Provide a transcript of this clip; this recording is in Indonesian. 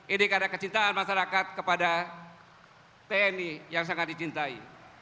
ini karena kecintaan masyarakat kepada tni yang sangat dicintai